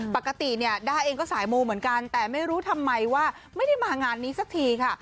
ปกติเนี่ยด้าเองก็สายมูเหมือนกันแต่ไม่รู้ทำไมว่าไม่ได้มางานนี้สักทีค่ะ